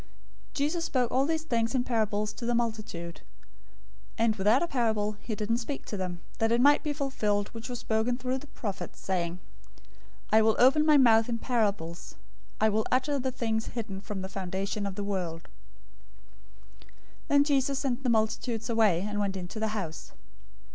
013:034 Jesus spoke all these things in parables to the multitudes; and without a parable, he didn't speak to them, 013:035 that it might be fulfilled which was spoken through the prophet, saying, "I will open my mouth in parables; I will utter things hidden from the foundation of the world."{Psalm 78:2} 013:036 Then Jesus sent the multitudes away, and went into the house.